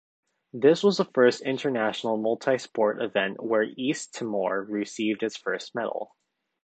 This was the first international multi-sport event where East Timor received its first medal.